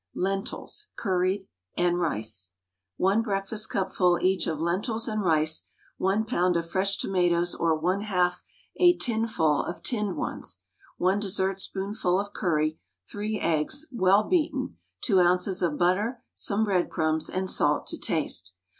LENTILS (CURRIED), AND RICE. 1 breakfastcupful each of lentils and rice, 1 lb. of fresh tomatoes or 1/2 a tinful of tinned ones, 1 dessertspoonful of curry, 3 eggs, well beaten, 2 oz. of butter, some breadcrumbs, and salt to taste.